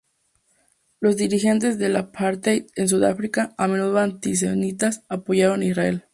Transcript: Los dirigentes del apartheid en sudáfrica, a menudo antisemitas, apoyaron Israel.